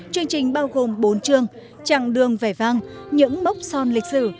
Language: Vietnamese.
chương trình bao gồm bốn trường trạng đường vẻ vang những mốc son lịch sử